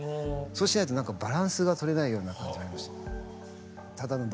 そうしないと何かバランスがとれないような感じがありました。